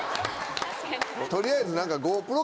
取りあえず。